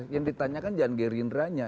yang ditanyakan jangan gerindranya